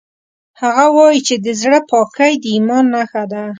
هغه وایي چې د زړه پاکۍ د ایمان نښه ده